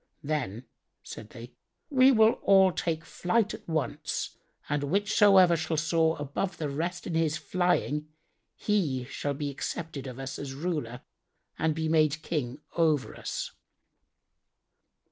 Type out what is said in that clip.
"Then," said they, "we will all take flight at once and whichsoever shall soar above the rest in his flying, he shall be accepted of us as ruler and be made King over us."